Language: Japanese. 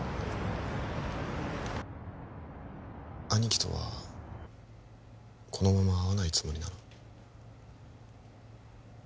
兄貴とはこのまま会わないつもりなの？